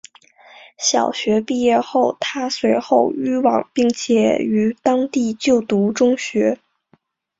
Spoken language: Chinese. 小学毕业后她随后迁往并且于当地就读中学。